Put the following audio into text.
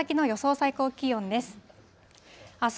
最高気温です。